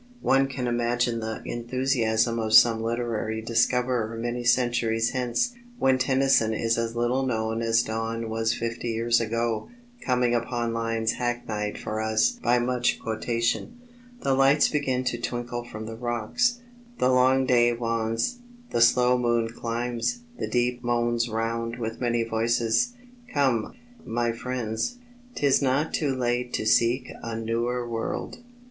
One can imagine the enthusiasm of some literary discoverer many centuries hence, when Tennyson is as little known as Donne was fifty years ago, coming upon lines hackneyed for us by much quotation: The lights begin to twinkle from the rocks: The long day wanes: the slow moon climbs: the deep Moans round with many voices. Come, my friends, 'Tis not too late to seek a newer world.